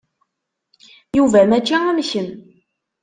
Yuba mačči am kemm.